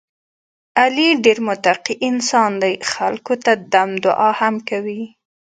علي ډېر متقی انسان دی، خلکو ته دم دعا هم کوي.